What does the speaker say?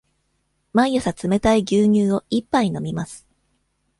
毎朝冷たい牛乳を一杯飲みます。